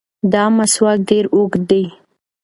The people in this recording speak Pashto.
دا مسواک ډېر اوږد دی.